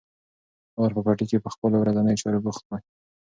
پلار په پټي کې په خپلو ورځنیو چارو بوخت و.